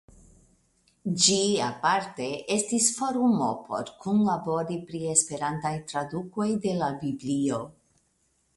Ĝi aparte estis forumo por kunlabori pri Esperantaj tradukoj de la Biblio.